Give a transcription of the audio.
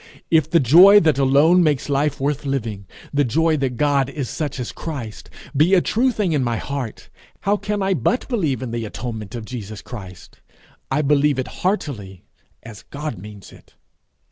If the joy that alone makes life worth living, the joy that God is such as Christ, be a true thing in my heart, how can I but believe in the atonement of Jesus Christ? I believe it heartily, as God means it.